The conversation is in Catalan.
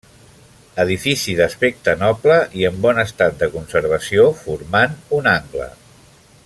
Edifici d'aspecte noble i en bon estat de conservació, formant un angle.